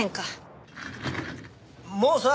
もうさ